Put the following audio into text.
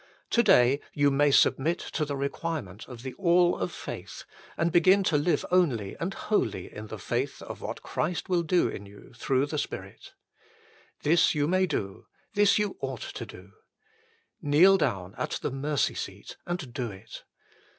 To day you may submit to the re quirement of the All of faith and begin to live only and wholly in the faith of what Christ will do in you through the Spirit. This you may do ; this you ought to do. Kneel down at the mercy seat and do it.